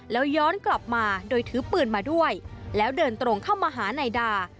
แล้วย้อนกลับมาโดยถือปืนมาด้วยแล้วเดินตรงเข้ามาหานายดา